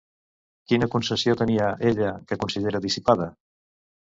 Quina concepció tenia, ella, que considera dissipada?